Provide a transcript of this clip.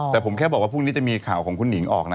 แต่ผมแค่บอกว่าพรุ่งนี้จะมีข่าวของคุณหนิงออกนะ